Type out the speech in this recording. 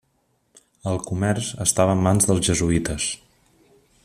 El comerç estava en mans dels jesuïtes.